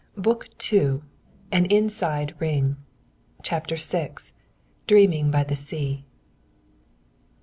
BOOK II. AN INSIDE RING. CHAPTER VI. DREAMING BY THE SEA.